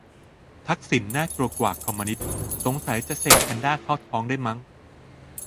'ทักษิณ น่ากลัวกว่า คอมมิวนิสต์' สงสัยจะเสกแพนด้าเข้าท้องได้มั้ง